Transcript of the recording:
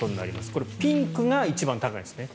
これ、ピンクが一番高いんですね。